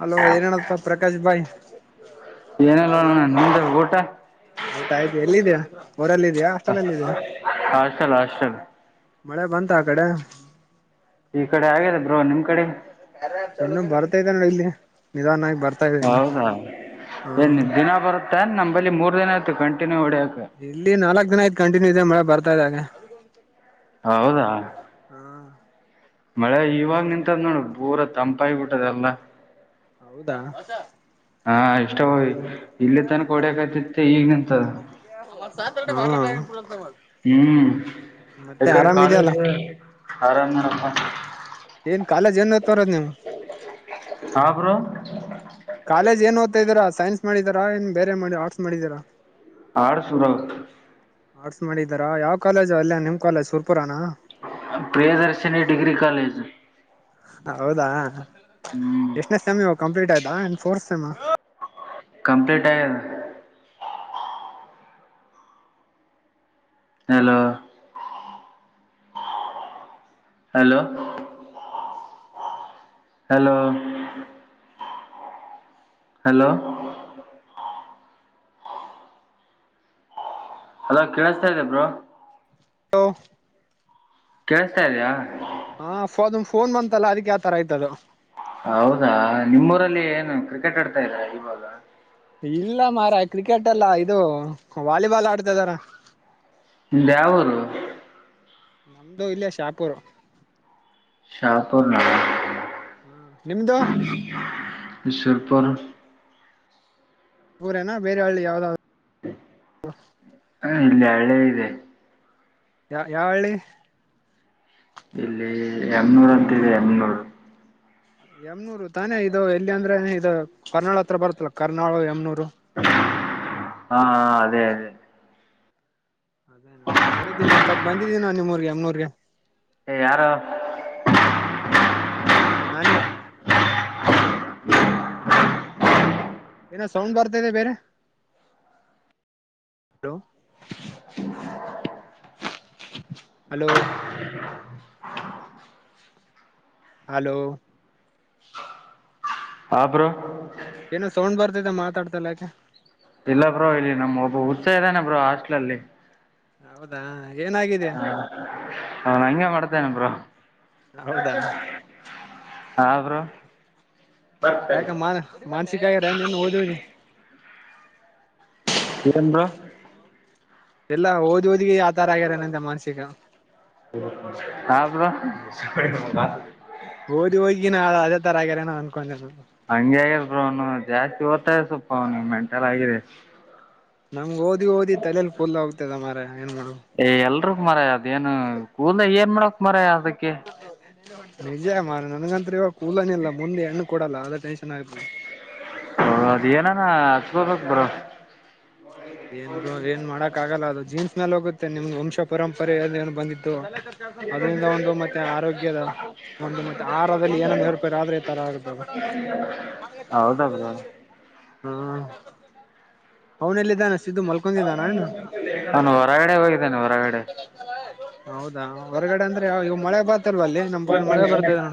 Hello ಏನೆನಪ್ಪ ಪ್ರಕಾಶ್ ಭಾಯ್. ಏನಿಲ್ಲ ಅಣ್ಣ ನಿಮ್ದ ಊಟ ಊಟ ಆಯ್ತು ಎಲ್ಲಿ ಇದೆಯಾ ಊರಲ್ಲ ಹಾಸ್ಟೆಲ್ ಅಲ್ಲಿ ಇದ್ಯಾ ಹಾಸ್ಟಲ್ ಹಾಸ್ಟಲ್. ಮಳೆ ಬಂತ ಆ ಕಡೆ ಈ ಕಡೆ ಆಗ್ಯದ ಬ್ರೋ ನಿಮ್ ಕಡೆ. ಸಣ್ಣುಗ್ ಬರ್ತೈತೆ ನೋಡ ಇಲ್ಲಿ ನಿಧಾನ ಆಗಿ. ಹೌದಾ ಏನ್ ದಿನ ಬರುತ್ತೇನ್ ನಮ್ ಬಲ್ಲಿ ಮೂರ್ ದಿನ ಆಯ್ತು ಕಂಟಿನ್ಯೂ ಹೊಡಿಯಕ. ಇಲ್ಲಿ ನಾಲ್ಕ್ ದಿನ ಆಯಿತು ಕಟಿನ್ಯೂ ಇದೆ ಮಳೆ ಬರ್ತಾ ಇದ್ದಾಗ ಹೌದಾ ಹಾ ಮಳೆ ಇವಾಗ್ ನಿಂತದ್ ನೋಡ್ ಪೂರ ತಂಪಾಗಿಬಿಟ್ಟದ ಎಲ್ಲಾ. ಹೌದಾ ಹಾ ಇಷ್ಟೂ ಇಲ್ಲಿ ತನಕ ಹೊಡೆಕತ್ತಿತ್ತು ಈಗ ನಿಂತದ. ಹ್ಮಾ ಹ್ಮ್ ಎಕಡಿ ಕಾಲೇಜ ಇದೆಯಲ್ಲ ಆರಾಮ ನೋಡಪ. ಏನ್ ಕಾಲೇಜ್ ಏನ್ನೋತ್ತರದ್ ನೀವ್. ಹಾ ಬ್ರೋ ಕಾಲೇಜ್ ಏನ್ ಓ್ತತ್ತಇದೀರ ಸೈನ್ಸ್ ಮಾಡಿದರಾ ಏನ್ ಬೇರೆ ಮಾಡಿ ಆರ್ಟ್ಸ್ ಮಾಡಿದೀರಾ. ಆರ್ಟ್ಸು ಬ್ರೊ ಆರ್ಟ್ಸ್ ಮಾಡಿದಾರಾ ಯಾವ್ ಕಾಲೇಜು ಅಲ್ಲೆ ನಿಮ್ ಕಾಲೇಜ್ ಸುರ್ಪುರನಾ. Priyadarshini degree college. ಹೌದಾ ಹ್ಮ್ ಎಷ್ಟನೇ ಸೆಮ್ ಇವಾಗ್ ಕಂಪ್ಲೀಟ್ ಆಯ್ತಾ ಏನ್ ಫೋರ್ತ್ ಸೆಮ್ಮ. ಕಂಪ್ಲೀಟ್ ಆಗ್ಯದ. Hello hello hello hello hello ಕೇಳಿಸ್ತಾ ಇದದೆಬ್ರು ನ ಕೇಳಸ್ತಾ ಇದೆಯಾ ಹಾ ಫೋಮ್ ಫೋನ್ ಬಂತಲ್ಲ ಅದಕ್ಕೆ ಯ ಆತರ ಆಯ್ತದು ಹೌದಾ ನಿಮ್ಮೂರಲ್ಲಿ ಏನು ಕ್ರಿಕೆಟ್ ಆಡ್ತಾ ಇದ್ರಾ ಇವಾಗ ಇಲ್ಲ ಮಾರ ಕ್ರಿಕೆಟ್ಲ್ಲ ಇದು ವಾಲಿಬಾಲ್ ಆಡ್ತ ಇದಾರೆ ನಿಮ್ದ್ ಯಾವರು ನಮ್ದು ಇಲ್ಲ ಶಾಪುರ ಶಾಪುರ ನ ನಿಮ್ದು ಸರ್ಪ ಊರೇನಾ ಬೇರೆ ಹಳ್ಳಿ ಯಾವ್ದಾದ್ದರು ಹ ಇಲ್ಲ ಹಳ್ಳಿ ಇದೆ ಯ ಯಾವಳ್ಳಿ ಇಲ್ಲಿ ಎಮನೂರು ಅಂತಿದೆ ಎಮನೂರು ಎಮ್ನೂರು ತಾನೇ ಇದು ಎಲ್ಲಿ ಅಂದ್ರೆ ಇದು ಕರ್ನಾಳ ಹತ್ರ ಬರುತ್ತಲ್ಲ ಕರ್ನಾಳ ಎಮ್ನೂರು ಹಾ ಅದೇ ಅದೇ ಅದೇನಾ ನೋಡಿದ್ದೀ ಒಂದ್ಸತ್ ಬಂದಿದ್ದೀನಾ ನಿಮ್ಮೂರ್ಗೆ ಎಮ್ಮನೂರ್ಗೆ ಎ ಯಾರೋ ನಾನೇ ಏನೊ ಸೌಂಡ್ ಬರ್ತದೆ ಬೇರೆ ಹಲೋ ಹಲೋ ಹಲೋ ಹಾ ಬ್ರೋ ಏನೋ ಸೌಂಡ್ ಬರ್ತಿದೆ ಮಾತಾಡ್ತಿಲ್ಲಾ ಏಕೆ ಇಲ್ಲ ಬ್ರೋ ಇಲ್ಲಿ ನಮ್ ಒಬ್ಬ ಉಚ್ಚ ಇದಾನೆ ಬ್ರೋ ಹಾಸ್ಟೆಲ್ ಲ್ಲಿ ಹೌದಾ ಏನಾಗಿದಯಾ ಅವನು ಹಂಗೆ ಮಾಡ್ತೇನೆ ಬ್ರೋ ಹೌದಾ ಹಾ ಬ್ರೋ ಮಾನಸಿಕಗಾರ ನೆನ್ನೆ ಓದಿ ಓದಿ ಏನ್ ಬ್ರೋ ಎಲ್ಲ ಓದ್ ಓದಿ ಆತರ ಆಗ್ಯಾರನಂತೆ ಮಾನಸಿಕ ಹ ಬ್ರೋ ಓದಿ ಹೋಗಿ ನಾ ಅದೇ ತರ ಆಗ್ಯರೆ ನ ಅನ್ಕೊಂಡೆ ಹಂಗೆ ಅವ್ನು ಬ್ರೊ ಜಾಸ್ತಿ ಓದ್ತ ಸ್ವಲ್ಪ ಅವ್ನ್ ಗೆ ಮೆಂಟಲ್ ಆಗಿದೆ ನಂಗ್ ಓದಿ ಓದಿ ತಲೇಲಿ ಫುಲ್ ಆಗ್ತದ ಮಾರ ಏನ್ ಮಾಡು ಏ ಎಲ್ರೂ ಮರಾಯ ಅದ ಏನು ಕೂದ್ಲ್ ಏನ್ ಮಾಡಕ್ ಮರಾಯ ಅದಕ್ಕೆ ನಿಜ ಮಾರ್ರೆ ನನ್ಗಂತು ಇವಾಗ ಕೂದ್ಲೆ ಇಲ್ಲ ಮುಂದೆ ಹೆಣ್ಣು ಕೊಡಲ್ಲ ಅದೇ ಟೆನ್ಷನ್ ಆಯ್ತು ಹ ಅದ ಏನಾನ ಹಚ್ಚ್ಬೆಕು ಬ್ರೋ ಏನ್ ಬ್ರೋ ಏನ್ ಮಾಡಕ್ ಆಗಲ್ಲ ಅದು ಜೀನ್ಸ್ ಮೇಲ್ ಹೋಗುತ್ತೆ ನಿಮ್ಗೆ ವಂಶ ಪರಂಪರೆ ಏನು ಬಂದಿತ್ತು ಅದರಿಂದ ಒಂದು ಮತ್ತೆ ಆರೋಗ್ಯದ ಒಂದು ಮತ್ತೆ ಆಹಾರದಲ್ಲಿ ಏನ ಏರುಪೇರ್ ಆದ್ರೆ ಈ ತರ ಆಗ್ತದ [inaudible] [unintelligible] ಬ್ರೋ ಹ್ಮ ಅವನಲ್ಲಿದ್ದಾನ ಸಿದ್ದು ಮಲ್ಕ ಅವನು ಹೊರಗಡೆ ಹೋಗಿದ್ದನೆ ಹೊರಗಡೆ. ಹೌದಾ ಹೊರಗಡೆ ಅಂದ್ರೆ ಯಾವ ಇವಾಗ ಮಳೆ ಬರ್ತಿಲ್ವ ಅಲ್ಲಿ ನಮ್ ಲಿ ಮಳೆ ಬರ್ತಿದೆ.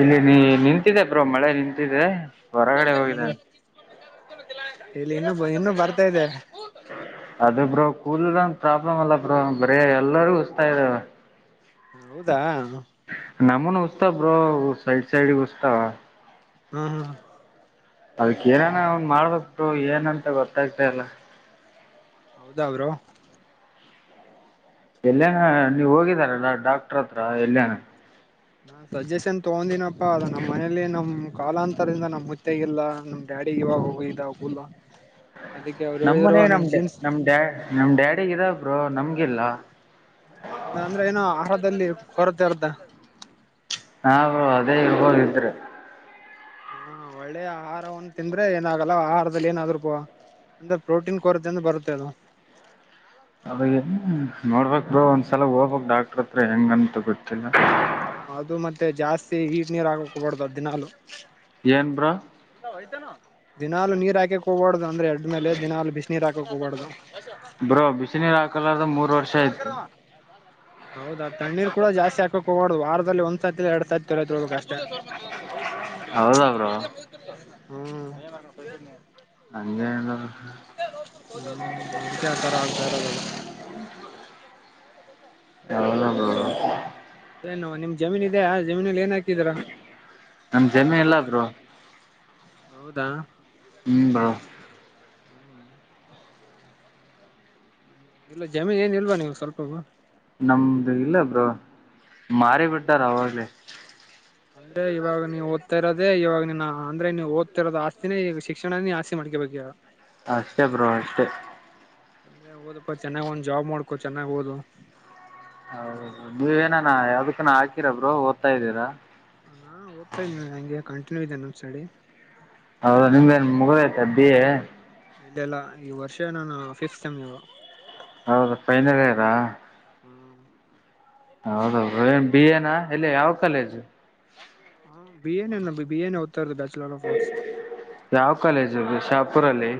ಇಲ್ಲಿ ನೀ ನಿಂತಿದೆೆ ಬ್ರೋ ಮಳೆ ನಿಂತಿದೆ. ಹೊರಗಡೆ ಹೋಗಿದ್ದಾನೆ ಇಲ್ಲಿ ಇನ್ನು ಇನ್ನು ಬರ್ತಾ ಇದೆ. ಅದೇ ಬ್ರೋ ಕೂದ್ಲದೊಂದು ಪ್ರಾಬ್ಲಮ್ ಅಲ್ಲ ಬ್ರೋ ಬರೇ ಎಲ್ಲರೂ ಉಸ್ತಾ ಇದಾವೆ. ಹೌದಾ ನಮ್ಮನು ಉಸ್ತವ ಬ್ರೋ ಅವು ಸೈಡ್ ಸೈಡ್ ಗ ಉಸ್ತಾವ. ಹಾ ಹಾ ಅದಕ್ಕ ಏನಾನ ಒನ್ ಮಾಡ್ಬೇಕ ಬ್ರೋ ಏನಂತ ಗೊತ್ತಾಗ್ತಿಲ್ಲ. ಹೌದಾ ಬ್ರೋ ಎಲ್ಲೇನ ನೀವು ಹೋಗಿದಾರ ಡಾ ಡಾಕ್ಟರ್ ಹತ್ರ ಎಲ್ಲೇನ. ನಾ ಸಜೆಷನ್ ತಗೊಂದನಪ್ಪಾ ಅದ ನಮ್ಮ ಮನೇಲಿ ನಮ್. ಕಾಲಾಂತರದಿಂದ ನಮ್ಮ ಮುತ್ತಗಲ್ಲ ನಮ್ ಡ್ಯಾಡಿ ಇವಾಗ ಹೋಗಿದಾವ ಕೂದ್ಲಾ. ನಮ್ ಮನ್ಯಾಗ ನಮ ನಮ್ ಡ್ಯಾ ನಮ್ ಡ್ಯಾಡಿ ಗ ಇದಾವ ಬ್ರೋ ನಮ್ಗಿಲ್ಲ. ಅಂದ್ರೆ ಏನೋ ಆಹಾರದಲ್ಲಿ ಕೊರತೆ ಇರ್ತ. ಹಾ ಬ್ರೋ ಅದೇ ಇರಬಹುದ ಇದ್ರ. ಹಾ ಒಳ್ಳೆ ಆಹಾರವನ್ನು ತಿಂದ್ರೆ ಏನಾಗಲ್ಲ ಆಹಾರದಲ್ಲಿ ಏನಾದ್ರು ಪ ಅಂದ್ರ ಪ್ರೋಟೀನ್ ಕೊರತೆೆಯಿಂದ ಬರುತ್ತೆ ಅದು. ಅದ ಏನ ನೋಡ್ಬೇಕ ಬ್ರೋ ಒಂದ್ಸಲ ಹೋಗ್ಬೇಕ ಡಾಕ್ಟ್ರ ಹತ್ರ ಹೆಂಗಂತ ಗೊತ್ತಿಲ್ಲ. ಅದು ಮತ್ತೆ ಜಾಸ್ತಿ ಹಿಟ್ ನೀರ್ ಆಕಕ ಹೋಗಬಾರ್ದು ಅದ ದಿನಾಲು. ಎನ ಭ್ರ. [unintelligible] ದಿನಾಲು ನೀರ ಹಾಕೆಕ ಹೋಗಬಾಡದ ಅಂದ್ರೆ ಎಡ ಮೇಲೆ ದಿನಾಲ ಬಿಸ ನೀರ ಹಾಕಕ ಹೋಗಬಾಡದು. ಬ್ರೋ ಬಿಸಿ ನೀರು ಹಾಕಲಾರ್ದ ಮೂರ್ ವರ್ಷ. ಕುಮಾರ್ಕರ ಆಯಿತು ವಾ. ಹೌದಾ ತಣ್ಣೀರ ಕೂಡ ಜಾಸ್ತಿ ಹಾಕಕ ಹೋಗಬಾಡದು ವಾರದಲ್ಲಿ ಒಂದ್ಸತಿ ಲ ಎರಡ ಸತಿ ತೊರ ತೊಬೇಕ ಅಷ್ಟ. ಹೌದಾ ಬ್ರೋ [unintelligible] ಹ್ಮ ಹಂಗೆ ನಿಲ್ಲ ಬ್ರೊ. [unintelligible] ಅದಕೆ ಆ ತರ ಆಗತಾ ಇರೋದು ಅದ. [unintelligible] ಏನೋ ನಿಮ್ ಜಮೀನ ಇದೆಯಾ ಆ ಜಮೀನಲಿ ಏನ್ ಹಾಕಿದಿರಾ. ನಮ್ಮ ಜಮೀನು ಇಲ್ಲ ಬ್ರೋ [unintelligible] ಹೌದಾ. ಹ್ಮ್ ಬಾ ಇಲ್ಲ ಜಮೀನ ಏನ್ ಇಲ್ವಾ ನಿಮಗ ಸ್ವಲ್ಪವು. ನಮ್ದು ಇಲ್ಲ ಬ್ರೋ ಮಾರಿ ಬಿಟ್ಟಾರ ಅವಾಗ್ಲೆ. ಅದ್ರೆ ಇವಾಗ ನೀವು ಓದ್ತ ಇರೋದೆ ಇವಾಗ ನಿನ್ನ ಅಂದ್ರೆ ನೀವು ಓದ್ತ ಇರೋದು ಆಸ್ತಿನೇ ಈಗ ಶಿಕ್ಷಣ ನೀ ಆಸ್ತಿ ಮಾಡ್ಕೊಬೇಕ. ಹ ಅಷ್ಟೆ ಬ್ರೋ ಅಷ್ಟೆ. ಎ ಓದಪ್ಪಾ ಚೆನ್ನಾಗ ಒಂದ್ ಜಾಬ್ ಮಾಡ್ಕೋ ಚನ್ನಾಗಓದು. ಹೌದ ನೀವೇನಾನ ಯಾವ್ದಕ್ಕನ ಹಾಕಿರ ಬ್ರೋ ಓದ್ತಾ ಇದ್ದೀರಾ. ನಾ ಓದ್ತಾ ಇದ್ನ ಹ ಹಂಗೆ ಕಂಟಿನ್ಯೂ ಇದೆೇ ನನ್ ಸ್ಟಡಿ. ಹೌದಾ ನಿಮ್ದೇನ ಮುಗದತಾ ಬಿ ಎ. ಇಲ್ಲೆಲ್ಲ ಈ ವರ್ಷ ನಾನು ಫಿಪ್ಸ್ ಸೇಮ್. ಹೌದಾ ಫೈನಲ್ ಇಯರಾ. ಹ್ಮ್ ಹೌದೌ ಏನ್ ಬಿ ಎನಾ ಇಲ್ಲ ಯಾವ ಕಾಲೇಜು ಹ ಬಿ ತಾರ ಬ್ಯಾಚುಲರ್ ಆಫ್ ಸ್ ಯಾವ ಕಾಲೇಜುದು ಶಾಪುರಲ್ಲಿ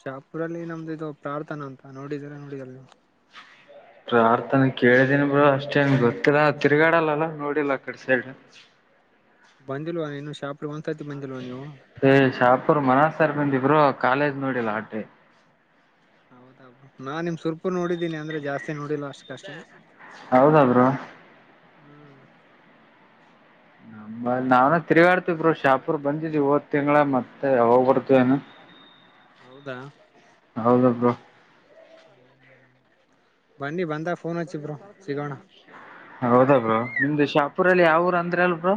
ಶಾಪುರಲ್ಲಿ ನಮ್ದು ಇದು ಪ್ರಾರ್ಥನಾ ಅಂತ ನೋಡಿದ್ರ ನೋಡಿದಲ್ ನೀ ಪ್ರಾರ್ಥನೆ ಕೇಳಿದೀನಿ ಬ ಅಷ್ಟೇನ್ ಗೊತ್ತಿಲ್ಲ ತಿರ್ಗಾಡಲ್ಲಲ್ಲ ನೋಡಿಲ್ಲ ಆ ಕಡೆ ಸೈಡ್ ಬಂದಿಲ್ವ ನೀನು ಶಾಪ್ಗೆ ಒಂದ್ಸರ್ತಿ ಬಂದಿಲ್ವ ನೀವು ಶಾಪುರ್ ಮನಸ್ಸರ್ ಬಂದಿಬ್ರು ಕಾಲೇಜ್ ನೋಡಿಲ್ಲ ಆಟೆ ಹೌದಬ್ರು ನಾ ನಿಮ್ ಸುರ್ಪು ನೋಡಿದ್ದೀನಿ ಅಂದ್ರೆ ಜಾಸ್ತಿ ನೋಡಿಲ್ಲ ಅಷ್ಟು ಕಷ್ಟ ಹೌದಾದ್ರು ಹ್ಮ್ ಅ ನಾವನ ತಿರುಗಾಡ್ತಿದರು ಶಾಪೂರ್ ಬಂದಿದ್ವಿ ಇವತ್ತು ತಿಂಗಗಳ ಮತ್ತೆ ಯಾವಾಗ್ ಬರ್ತ ಏನು ಹ ಹೌದಾ ಹೌದ ಬೋ ಬನ್ನಿ ಬಂದ ಫೋನ್ಚ್ಚಿ ಬ್ರೋ ಸಿಗೋಣ ಹೌದಾ ಬ್ರೋ ನಿಮ್ದು ಶಾಪುರಲ್ಲಿ ಯಾವ ಊರು ಅಂದ್ರ ಅಲ್ ಬ್ರೋ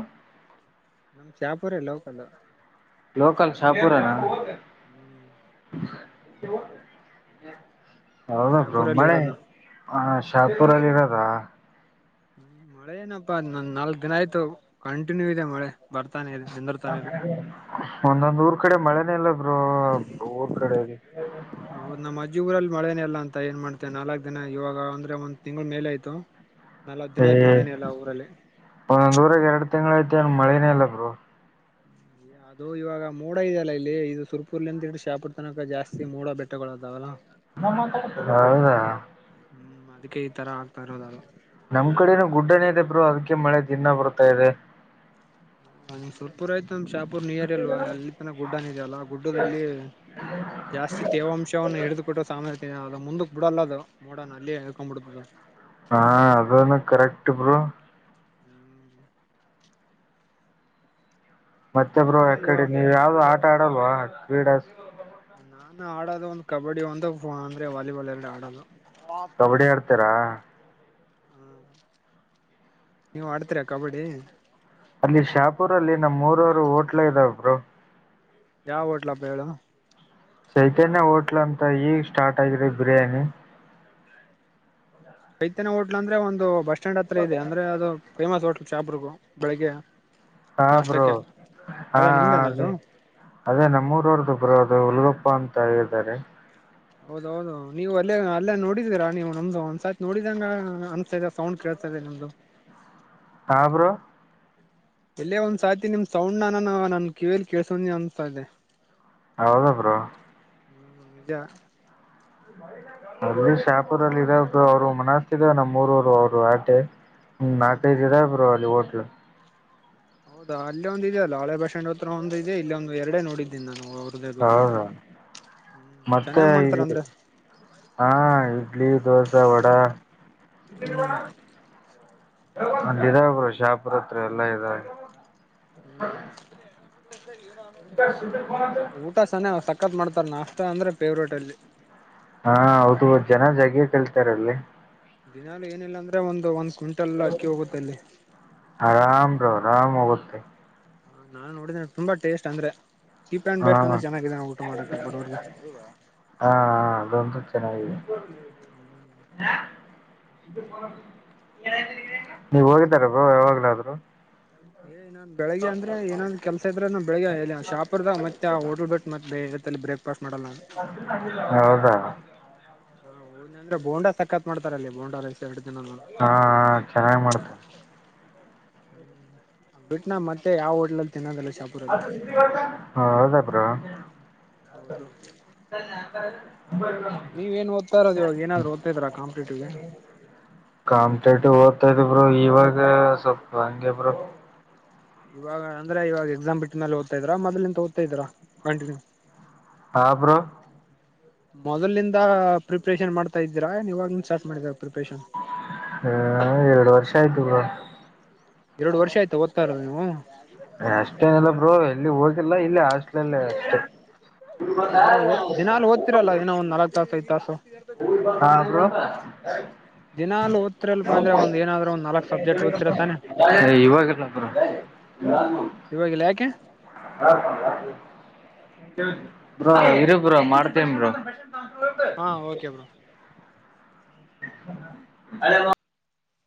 ನಮ್ ಚಾಪೂರ ಲೋಕಲ್ ಲೋಕಲ್ ಶಾಪೂರನಾ ಹ್ಮ್ ಇವ ಹೌದ ಬ್ರ ಶಾಪುರಲ್ಲಿ ಮಳೆ ಇರೋದು ನಾವು. ಆ ಶಾಪುರಲ್ಲಿ ಇರೋದಾ ಹ್ಮ ಮಳೆ ಏನಪ್ಪಾ ನ ನಾಲ್ಕ್ ದಿನ ಆಯ್ತು ಕಂಟಿನ್ಯೂ ಇದೆ ಮಳೆ ಬರ್ತಾನೆ ನಿಂದರ್ತಾನೆ ಇಲ್ಲ ಒಂದೊಂದ್ ಊರ್ ಕಡೆ ಮಳೆನೇ ಇಲ್ಲ ಬರು ಊರ್ ಕಡೆ ಹೌದ್ ನಮ್ಮ ಅಜ್ಜ ಗರಲ್ಲಿ ಮಳೇನೇಲ್ಲ ಅ ಏನ್ ಮಾಡ್ತೆವೆ ನಾಲ್ಕಕ್ ದಿನ ಇವಾಗ ಅಂದ್ರೆಂದ ತಿಂಗ್ಳ ಮೇ ಆ್ತು ಹಾ ನಾ ಹದಿನೈ್ತ್ ಮಳನನೆ ಎಲ್ಲ ಊರಲ್ಲಿ ಒಂದೊಂದ್ಊರ ಎಡು ತಿಂಗಳ ಐತಿ್ ಮಳೆನೇ ಇಲ್ಲರು ಹ ಅದು ಇವಾಗ ಮೋಡ ಇದೆಯಲ್ಲಾ ಇಲ್ಲಿ ಇದು ಸುರ್ಪುರ್ಲಿ ಅಂತಿ್ರಿ ಶಾಪುರ್ ತನಕ ಜಾಸ್ತಿ ಮೋಡ ಬೆಟ್ಟಗಳಗಳುದಾವಲ್ಲ ಹೌದಾ ಹ್ಮ್ ಅದಕ್ಕೆ ಈ ತರ ಆಗ್ತಾ ಇರೋದದು ನಮ್ ಕಡನ ಗುಡ್ಡಣೆ ಇದೆ ಬ್ರೋ ಅದಕ್ಕೆ ಮಳೆ ದಿಿನ ಬರ್ತಾ ಇದೆ ನ ಸುರ್ಪುರ್ ಆಯ್ತುಂದ್ ಶಾಪೂುರ್ ನೀಿಯರ್ ಅಲ್ವಾ ಅಲ್ಲಿ ತನ ಗುಡ್ ಅನಿದ ಅಲ್ಲ ಗುಡ್ಡದಲ್ಲಿ ಜಾಸ್ತಿ ತೇವಾಂಶವನ್ನು ಹಿಡುಕ ಕೊಟ್ಟೋ ಸಾಮಾ ಅದು ಮುಂದಕ್ ಬಿಡಲ್ಲ ಅದು ಮೋಡ ಅಲ್ಲಿೇ ಹೇಕೊಂಬಿಡ್ತದು ಹಾ ಅದನ್ನು ಕರೆಕ್ಟ್ ಬರು ಹ್ಮ್ ಮತ್ತೆಬ್ರು ಅಂದ್ರೆ ಅಯ್ಯೋ ಯಕಡೆ ನೀವು ಯಾವ್ದು ಆಟ ಆಡಲ್ವಾ ಕ್ರೀಡಾ ನಾನು ಆಡೋದು ಒಂದು ಕಬಡ್ಡಿ ಒಂದು ಅಂದ್ರೆ ವಾಲಿಬಾಲ್ ಎರಡು ಆಡೋದು ಕಬಡ್ಡಿ ಆಡ್ತಾರಾ ಹಾ ನೀವ್ ಆಡ್ತ್ರ ಕಬಡ್ಡಿ ಅಲ್ಲಿ ಶಾಪುರ ಅಲ್ಲಿ ನಮ್ಮ್ ಮೂರವರು ಹೋಟ್ಲ ಇದ ಒಬ್ರು ಯಾವ ಹೋಟ್ಲ್ ಹಬ್ಬ ಹೇಳು ಚೈತನ್ಯ ಹೋಟ್ಲ್ ಅಂತ ಈಗ ಸ್ಟಾರ್ಟ್ ಆಗಿದೆ ಬಿರಿಯಾನಿ ಚೈತನ್ಯ ಹೋಟ್ಲ್ ಅಂದ್ರೆ ಒಂದು ಬಸ್ ಸ್ಟ್ಯಾಂಡ್ ಹತ್ರ ಇದೆ ಅಂದ್ರೆ ಅದು ಫೇಮಸ್ ಹೋಟ್ಲ್ ಚಾಪುರ್ಗೂ ಬೆಳಗ್ಗೆ. ಹಾ ಬ್ರೋ ಹಾ ಅದೇ ಹ ನಿಮ್ದೇನ ಅದು ಅದೇ. ಅದೇ ನಮ್ಮೂರ ಅವ್ರ್ದುಬ್ರೋ ಅದು ಹುಲ್ಗೊಪ್ಪ ಅಂತ ಇದಾರೆ. ಹೌದ ಹೌದು ನೀವು ಅಲ್ಲೇ ಅಲ್ಲೇ ನೋಡಿದೀರಾ ನೀವು ನಮ್ದು ಒಂದ್ಸತ್ ನೋಡಿದಂಗ ಅನ್ಸ್ತ ಇದೆ ಸೌಂಡ್ ಕೇಳ್ತಾಯಿದೆ ನೀಮ್ದು. ಹಾ ಬ್ರೋ ಎಲ್ಲೇ ಒಂದ್ಸಹತಿ ನಿಮ್ ಸೌಂಡ್ ನನ ನನ್ ಕಿವಿಯಲಿ ಕೆಲ್ಸೊಂಡಿನಿ ಅನಸ್ತಾ ಇದೆ. ಹೌದ ಬ್ರೋ ಹ್ಮ ನಿಜ [unintelligible] ಅಲ್ಲಿ ಶಾಪುರಲ್ಲಿ ಇದಾವ ಅವ್ರು ಮನಸ್ತ ಇದಾವ ನಮ್ಮ್ ಊರೊರು ಅವ್ರು ಆಟೆ ಹ ಹ್ಮ ಹ್ಮ ನಾಕೈದ ಇದೆ ಬ್ರೋ ಅಲ್ಲಿ ಹೊಟ್ಲು ಹೌದಾ ಅಲ್ಲಿ ಒಂದ ಇದೆ ಅಲ್ಲ ಹಳೆ ಬಸ್ ಸ್ಯಾಂಡ್ ಹತ್ರ ಒಂದ ಇದೆ ಇಲ್ಲಿ ಒಂದು ಎರಡೆ ನೋಡಿದ್ದೀನಿ ನಾನು ಅವ್ರದ್ದೇ ದುಕಾನು ಹೌ ಹ್ಮ್ ಮತ್ತೆ ಚೆನ್ನಾಗ್ ಮಾಡ್ತಾರ ಇ ಅಂದ್ರೆ ಹಾ ಇಡ್ಲಿ ದೋಸಾ ವಡ ಹ್ಮ್ [unintelligible] ನಂದ ಇದ ಬ ಶಾಪುರ್ ಹತ್ರ ಎಲ್ಲಾ ಇದ [unintelligible] ಹ್ಮ್ [unintelligible] ಇಲ್ಲ ಉಟ್ ತ ಸನ್ಯವ್ ಸಕ್ಕತ್ ಮಾಡ್ತರ್ ನಾಷ್ಟ ಅಂದ್ರ ಪೇವ್ರೇಟ್ ಅಲ್ಲಿ. ಹಾ ಹೌದು ಜನ ಜಗ್ಗಿ ಕೇಳ್ತಾರೆ ಅಲ್ಲಿ. ದಿನಾಲು ಏನಿಲ್ಲ ಅಂದ್ರೆ ಒಂದು ಒಂದ್ ಕ್ವಿಂಟಲ್ ಅಕ್ಕಿ ಹೋಗುತ್ತೆ ಅಲ್ಲಿ. ಹಾ ಬ್ರೋ ಆರಾಮ್ ಹೊಗುತ್ತೆ. ಹಾ ನಾನ್ ನೋಡಿದೇನೆ ತುಂಬಾಟೇಸ್ಟ್ ಅಂದ್ರೆ ಚೀಪ್ ಆಂಡ್ ಹಾ ಬೆಸ್ಟ್ ಅಂದ್ರೆ ಚೆನ್ನಾಗಿದೆ ನೋಡ್ ಊಟ ಮಾಡಕ್ಕೆ ಬಡವರಿಗೆ ಹೌದ ಹಾ ಹ ಅದೊಂದು ಚನ್ನಾಗಿದೆ [unintelligible] [unintelligible] ನೀವು ಹೋಗಿದಿರ ಬೋ ಯಾವಾಗ್ಲಾದ್ರು. ಏ ನನ್ ಬೆಳಗ್ಗೆ ಅಂದ್ರೆ ಏನನ ಕೆಲ್ಸ ಇದ್ರೆ ನಾನ್ ಬೆಳಗ್ಗೆ ಶಾಪರ್ದ ಮತ್ತ ಆ ಹೋಟಲ್ ಬಿಟ್ ಮತ್ ಬೇರೆ ತಲ್ಲಿ ಬ್ರೇಕ್ಫಾಸ್ಟ್ ಮಾಡಲ್ಲ ನಾನು. ಹೌದಾ ಹಾ ಹೋದ್ನ ಅಂದ್ರ ಬೋಂಡಾ ಸಕ್ಕಾತ್ ಮಾಡ್ತಾರಲ್ಲಿ ಬೋಂಡಾ ರೆ ಎರಡ ದಿನ ನಾನ್ ಹಾ ಚೆನ್ನಾಗ್ ಮಾಡ್ತ ಹ್ಮ್ ಬಿಟ್ಟನಾ ಮತ್ತೆ ಯಾವ ಹೋಟೆಲ್ ಅಲ್ಲಿ ತಿನ್ನೋದೀಲ್ಲ ಶಾಪುರ್ ಆ ಪಿಸ್ಬಿ ಗೊಳ್ ತಾ ಹೌದಾ ಬ್ರೋ ಹೌದು [unintelligible] ನೀವ ಎನ್ ಓದ್ತಾ ಇರೋದು ಇವಗ್ ಏನಾದ್ರೂ ಓದ್ತಾ ಇದೀರಾ ಕಾಂಪಿಟೇಟಿವ್. ಗೆ ಕಾಮ್ಟೆಟಿವ್ ಓದತಾ ಇದ್ದ ಬ್ರೋ ಇವಾಗ ಸ್ವಲ್ಪ ಹಂಗೆ ಬ್ರೋ. ಇವಾಗ ಅಂದ್ರೆ ಇವಾಗ ಎಕ್ಸಾಮ್ ಬಿಟ್ ಮೇಲೆ ಓದ್ತಾ ಇದ್ರ ಮೊದಲಿಂತ್ ಓದ್ತ ಇದೀರ ಕಂಟಿನ್ಯೂ ಹಾ ಬ್ರೋ. ಮೊದಲಿಂದ ಪ್ರಿಪ್ರೇಷನ್ ಮಾಡ್ತಾ ಇದ್ದೀರಾ ಎನ್ ಇವಗಿಂದ ಸ್ಟಾರ್ಟ್ ಮಾಡಿದೀರಾ ಪ್ರಿಪರೇಷನ್. ಹ ಎರಡು ವರ್ಷ ಆಯ್ತ ಬ್ರೋ. ಎರಡು ವರ್ಷ ಆಯ್ತಾ ಓದ್ತಾ ಇರೋದು ನೀವು. ಏ ಅಷ್ಟೇನಿಲ್ಲ ಬ್ರೋ ಎಲ್ಲಿ ಹೋಗಿಲ್ಲ ಇಲ್ಲೆ ಹಾಸ್ಟೆಲ್ [unintelligible] ಅಷ್ಟೇ [unintelligible] ಅಂದ್ರೆ ದಿನಾಲು ಓದ್ತಿರಲ್ಲ ಏನೋ ಒಂದ್ ನಾಲ್ಕ್ ತಾಸು ಐದ್ ತಾಸು ಹಾ ಬ್ರೋ. ದಿನಾಲು ಒತ್ರಿಲಪ ಅಂದ್ರೆ ಒಂದ ಏನಾದ್ರು ಒಂದು ನಾಲ್ಕ್ ಸಬ್ಜೆಟ್ ಓದತಿರತಾನೆ. ಏ ಇವಾಗಿಲ್ಲ ಬ್ರೋ [unintelligible] ಇವಾಗಿಲ್ಲ ಯಾಕೆ. [unintelligible] ಬ್ರೋ ಇರು ಬ್ರೋ ಮಾಡ್ತೇನ್ ಬ್ರೋ [inaudible] ಹಾ ಓಕೆ ಬ್ರೋ [unintelligible]